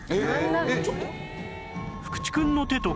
でちょっと。